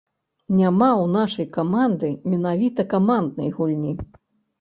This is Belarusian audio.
Няма ў нашай каманды менавіта каманднай гульні.